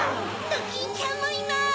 ドキンちゃんもいます。